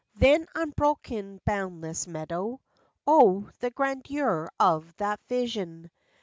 Then unbroken boundless meadow! O, the grandeur of that vision!